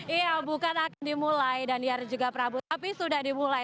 iya bukan akan dimulai daniar juga prabu tapi sudah dimulai